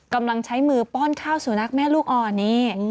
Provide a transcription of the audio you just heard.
กำลังใช้มือป้อนข้าวสู่นักแม่ลูกอ่อนนี่